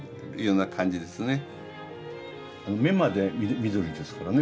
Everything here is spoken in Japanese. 目まで緑ですからね